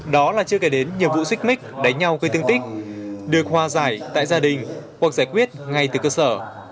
đó là chưa kể đến nhiều vụ xích mít đánh nhau cây tương tích được hòa giải tại gia đình hoặc giải quyết ngay từ cơ sở